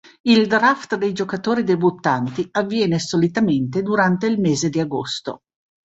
Il draft dei giocatori debuttanti avviene solitamente durante il mese di agosto.